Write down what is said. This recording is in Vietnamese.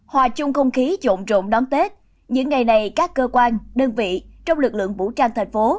hòa chung không khí rộn rộn đón tết những ngày này các cơ quan đơn vị trong lực lượng vũ trang tp hcm